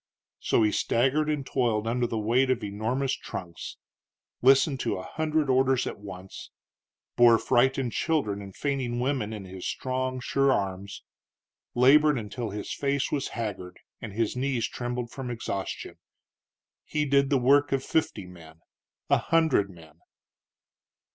So he staggered and toiled under the weight of enormous trunks; listened to a hundred orders at once; bore frightened children and fainting women in his strong, sure arms; labored until his face was haggard and his knees trembled from exhaustion. He did the work of fifty men a hundred men.